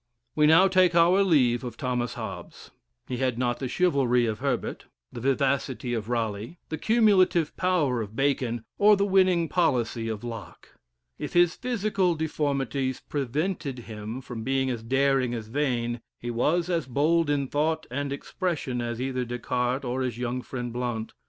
We now take our leave of Thomas Hobbes. He had not the chivalry of Herbert; the vivacity of Raleigh; the cumulative power of Bacon; or the winning policy of Locke. If his physical deformities prevented him from being as daring as Vane, he was as bold in thought and expression as either Descartes, or his young friend Blount.